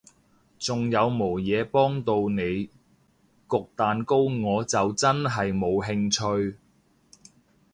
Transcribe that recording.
仲有無嘢幫到你？焗蛋糕我就真係冇興趣